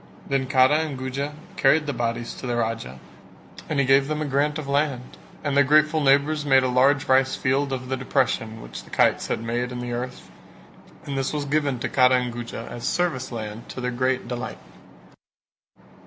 Then Kara and Guja carried the bodies to the Raja and he gave them a grant of land; and their grateful neighbours made a large rice field of the depression which the kites had made in the earth and this was given to Kara and Guja as service land to their great delight.